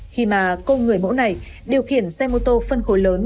khi mà cô người mẫu này điều khiển xe mô tô phân khối lớn